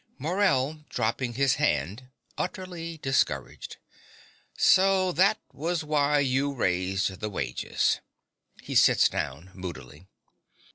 MORELL (dropping his hand, utterly discouraged). So that was why you raised the wages! (He sits down moodily.)